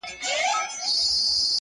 • پال ډنبار خپل لومړنی شعر -